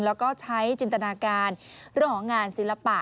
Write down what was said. แล้วก็ใช้จินตนาการเรื่องของงานศิลปะ